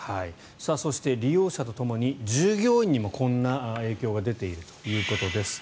そして、利用者とともに従業員にもこんな影響が出ているということです。